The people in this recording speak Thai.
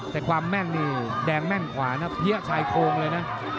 แต่ความแม่นนี่แดงแม่งขวานะเพี้ยชายโครงเลยนะ